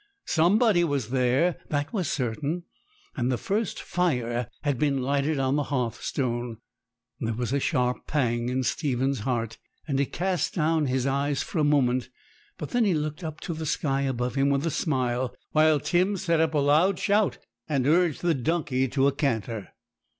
Somebody was there, that was certain; and the first fire had been lighted on the hearthstone. There was a sharp pang in Stephen's heart, and he cast down his eyes for a moment, but then he looked up to the sky above him with a smile; while Tim set up a loud shout, and urged the donkey to a canter.